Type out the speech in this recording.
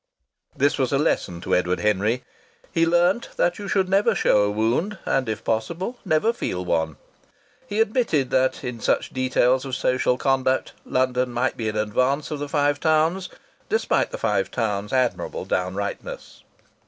This was a lesson to Edward Henry. He learnt that you should never show a wound, and if possible never feel one. He admitted that in such details of social conduct London might be in advance of the Five Towns, despite the Five Towns' admirable downrightness.